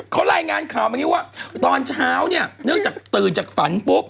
เขาลายงานข่าวมานี่ว่าตอนเช้าเนี่ยตื่นจากฝันปุ๊บ